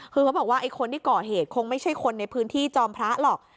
คือเขาบอกว่าไอ้คนที่ก่อเหตุคงไม่ใช่คนในพื้นที่จอมพระหรอก